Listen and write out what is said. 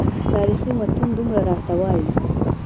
تاریخي متون دومره راته وایي.